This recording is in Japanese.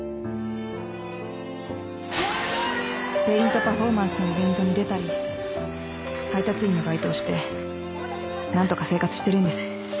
ペイントパフォーマンスのイベントに出たり配達員のバイトをしてなんとか生活してるんです。